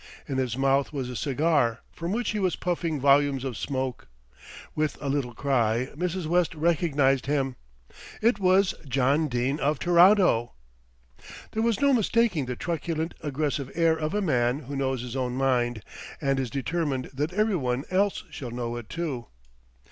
In his mouth was a cigar, from which he was puffing volumes of smoke. With a little cry Mrs. West recognised him. It was John Dene of Toronto. There was no mistaking that truculent, aggressive air of a man who knows his own mind, and is determined that every one else shall know it too.